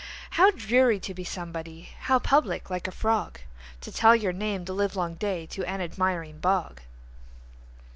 How dreary to be somebody! How public, like a frogTo tell your name the livelong dayTo an admiring bog!